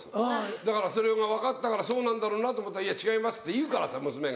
だからそれが分かったからそうなんだろうなと思ったら違いますって言うからさ娘が。